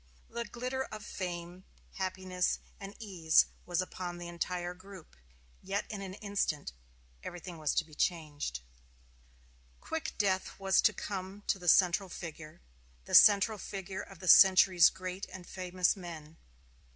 The glitter of fame, happiness, and ease was upon the entire group; yet in an instant everything was to be changed. Quick death was to come to the central figure the central figure of the century's great and famous men.